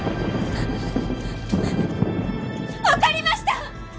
わかりました！